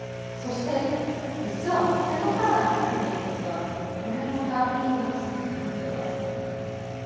そして実はポテトサラダも入っているんですが、これがまた、いいアクセントになってます。